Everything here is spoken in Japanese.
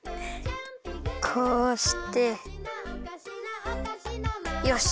こうしてよし。